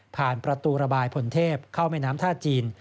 ประตูระบายผลเทพเข้าแม่น้ำท่าจีน